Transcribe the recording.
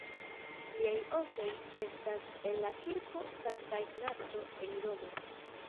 Liaj ostoj estas en la Kirko Sankta Ignaco en Romo.